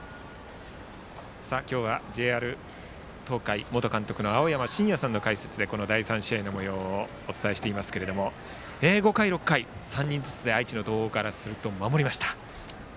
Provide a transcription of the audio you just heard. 今日はＪＲ東海元監督の青山眞也さんの解説でこの第３試合のもようをお伝えしていますけれども５回、６回愛知・東邦高校からすると守れました。